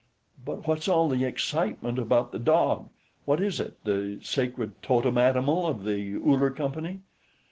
"But what's all the excitement about the dog? What is it, the sacred totem animal of the Uller Company?"